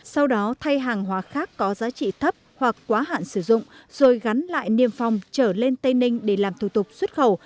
sau đó thay hàng hóa khác có giá trị thấp hoặc quá hạn sử dụng rồi gắn lại niêm phong trở lên tây ninh để làm thủ tục xuất khẩu